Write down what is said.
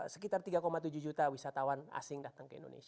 sekitar tiga tujuh juta wisatawan asing datang ke indonesia